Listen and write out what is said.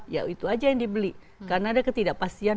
ya itu aja yang dibeli karena ada ketidakpastian